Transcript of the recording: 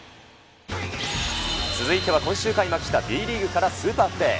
続いては今週開幕したＢリーグからスーパープレー。